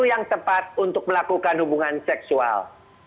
yang tepat untuk melakukan hubungan seksual